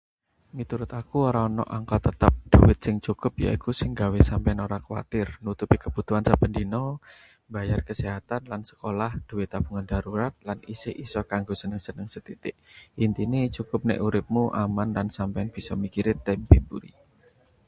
Miturut aku, ora ana angka tetep. Dhuwit sing cukup yaiku sing nggawe sampeyan ora kuwatir: nutupi kebutuhan saben dina, mbayar kesehatan lan sekolah, duwe tabungan darurat, lan isih isa kanggo seneng-seneng sethithik. Intine, cukup nek uripmu aman lan sampeyan bisa mikirke tembe mburi.